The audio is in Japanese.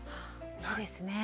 いいですね。